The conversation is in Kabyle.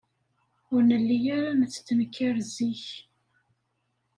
Ur nelli ara nettetnkar zik.